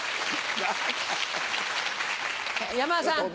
山田さん！